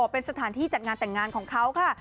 เป็นสถานที่จัดงานแต่งงานของเขาค่ะ